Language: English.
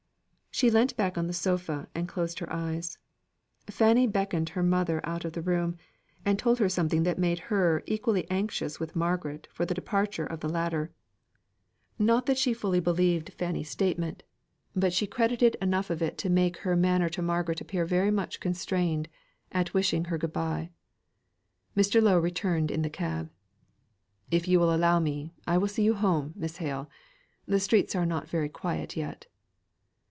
She leant back on the sofa, and closed her eyes. Fanny beckoned her mother out of the room, and told her something that made her equally anxious with Margaret for the departure of the latter. Not that she fully believed Fanny's statement; but she credited enough to make her manner to Margaret appear very much constrained, at wishing her good bye. Mr. Lowe returned in the cab. "If you will allow me, I will see you home, Miss Hale. The streets are not very quiet yet."